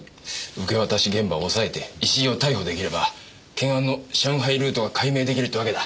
受け渡し現場を押さえて石井を逮捕出来れば懸案の上海ルートが解明出来るってわけだ。